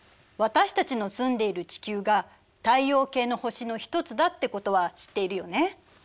私たちの住んでいる地球が太陽系の星の一つだってことは知っているよね。